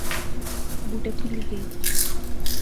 بُوٹے پُھلی غئے